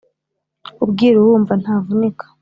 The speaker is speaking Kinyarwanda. Ubwira uwumva ntavunika